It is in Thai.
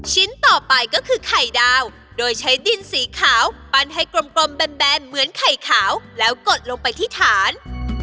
ต่อไปก็คือไข่ดาวโดยใช้ดินสีขาวปั้นให้กลมแบนเหมือนไข่ขาวแล้วกดลงไปที่ฐาน